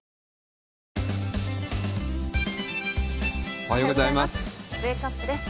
おはようございます。